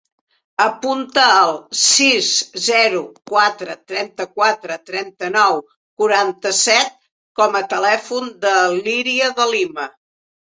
Apunta el sis, zero, quatre, trenta-quatre, trenta-nou, quaranta-set com a telèfon de l'Iria De Lima.